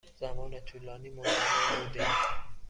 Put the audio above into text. زمان طولانی منتظر بوده ایم.